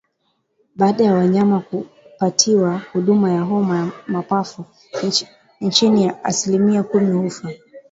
Baada ya wanyama kupatiwa huduma ya homa ya mapafu chini ya asilimia kumi hufa